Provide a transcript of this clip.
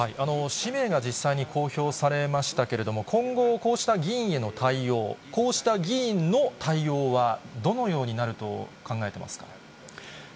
氏名が実際に公表されましたけれども、今後、こうした議員への対応、こうした議員の対応はどのようになると考えてますか？